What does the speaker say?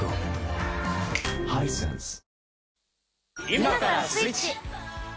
今からスイッチ。